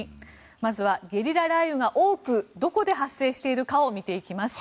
まずは、ゲリラ雷雨が多く、どこで発生しているかを見ていきます。